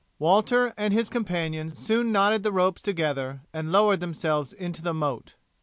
Walter and his companion soon knotted the ropes together and lowered themselves into the moat.